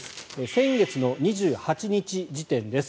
先月２８日時点です。